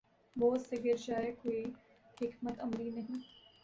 بوجھ سے گر جائے کوئی حکمت عملی نہیں